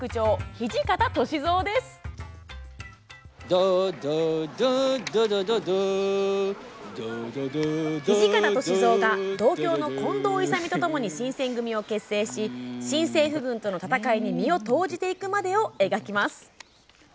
土方歳三が同郷の近藤勇とともに新選組を結成し新政府軍との戦いに身を投じていくまでを描きます。